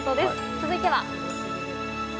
続いては。